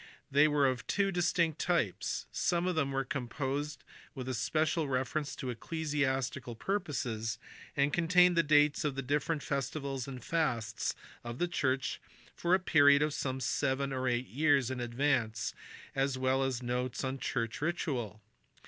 They were of two distinct types. Some of them were composed with special reference to ecclesiastical purposes, and contained the dates of the different festivals and fasts of the church for a period of some seven or eight years in advance as well as notes on church ritual.